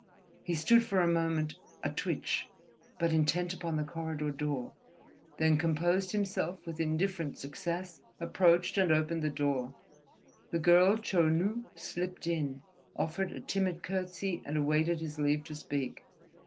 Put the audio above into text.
He stood for a moment, a twitch, but intent upon the corridor door, then composed himself with indifferent success, approached and opened the door. The girl Chou Nu slipped in, offered a timid courtesy, and awaited his leave to speak.